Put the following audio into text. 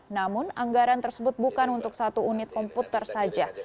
namun anggaran tersebut bukan untuk satu unit komputer saja